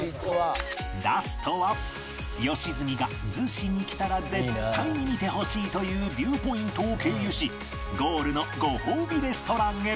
ラストは良純が逗子に来たら絶対に見てほしいというビューポイントを経由しゴールのご褒美レストランへ